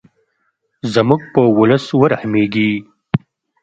زموږ په ولس ورحمیږې.